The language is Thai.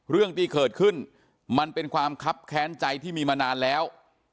เรื่องที่เกิดขึ้นมันเป็นความคับแค้นใจที่มีมานานแล้ว